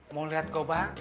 mau liat gobang